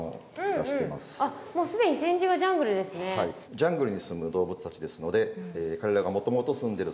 ジャングルにすむ動物たちですので彼らがもともとすんでる